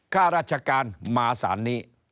ข้าราชการมาสารนี้